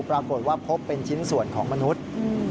ปรากฏว่าพบเป็นชิ้นส่วนของมนุษย์